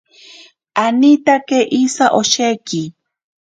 Anitake isha osheki.